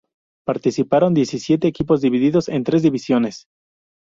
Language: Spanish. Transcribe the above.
Participaron diecisiete equipos divididos en tres divisiones.